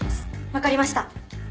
分かりました。